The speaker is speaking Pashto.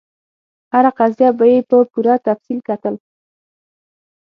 هره قضیه به یې په پوره تفصیل کتل.